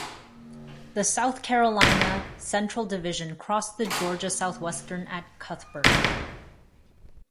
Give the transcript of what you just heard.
This South Carolina Central division crossed the Georgia Southwestern at Cuthbert.